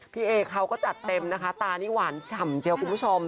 พี่เอเขาก็จัดเต็มนะคะตานี่หวานฉ่ำเจียวคุณผู้ชม